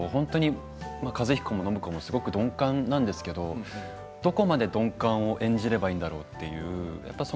和彦も暢子もすごく鈍感なんですけれど、どこまで鈍感を演じればいいんだろうという。